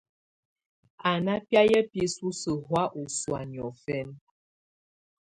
Á ná bɛ̀áyá bisusǝ́ hɔ̀á ɔ́ sɔ̀á niɔ̀fɛna.